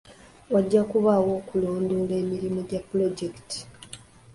Wajja kubaawo okulondoola emirimu gya pulojekiti